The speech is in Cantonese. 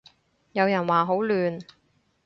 有人話好亂